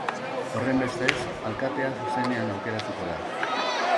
Horrenbestez, alkatea zuzenean aukeratuko da.